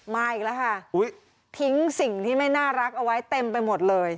มาอีกแล้วค่ะทิ้งสิ่งที่ไม่น่ารักเอาไว้เต็มไปหมดเลย